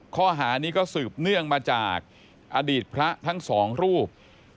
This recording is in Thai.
ข้อหานี้ก็สืบเนื่องมาจากอดีตพระทั้งสองรูป